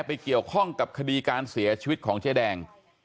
เกี่ยวข้องกับคดีการเสียชีวิตของเจ๊แดง